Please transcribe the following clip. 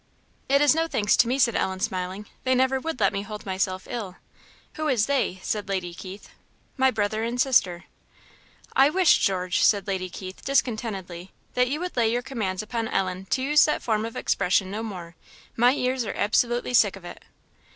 "It is no thanks to me," said Ellen, smiling, "they never would let me hold myself ill." "Who is 'they'?" said Lady Keith. "My brother and sister." "I wish, George," said Lady Keith, discontentedly, "that you would lay your commands upon Ellen to use that form of expression no more. My ears are absolutely sick of it."